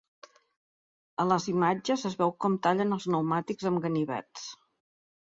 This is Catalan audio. A les imatges es veu com tallen els pneumàtics amb ganivets.